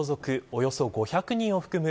およそ５００人を含む